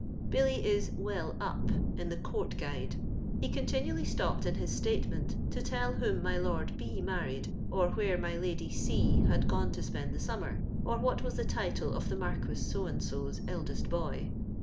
Billy is " well up " in the Court Ouide, He continually stopped in his statement to tell whom my Lord B. married, or where my Lady C. had gone to spend the summer, or what was the title of the Marquis So and So's eldest boy.